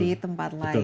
di tempat lain